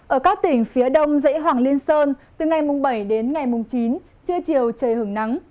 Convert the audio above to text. ở các tỉnh phía đông dãy hoàng liên sơn từ ngày bảy đến ngày mùng chín trưa chiều trời hưởng nắng